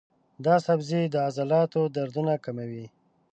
دا سبزی د عضلاتو دردونه کموي.